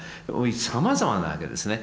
さまざまなわけですね。